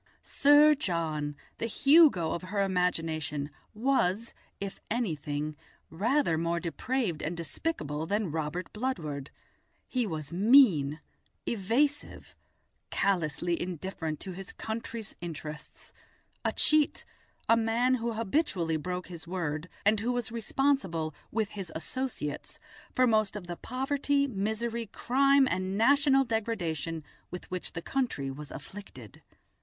Sir John, the Hugo of her imagination, was, if anything, rather more depraved and despicable than Robert Bludward. He was mean, evasive, callously indifferent to his country's interests, a cheat, a man who habitually broke his word, and who was responsible, with his associates, for most of the poverty, misery, crime, and national degradation with which the country was afflicted.